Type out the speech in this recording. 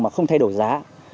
mà không thay đổi giá